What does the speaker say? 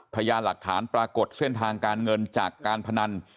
พยานหลักฐานปรากฏเส้นทางการเงินจากการพนัน